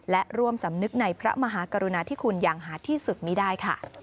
และร่วมสำนึกในพระมหากรุณาธิคุณอย่างหาที่สุดมีได้ค่ะ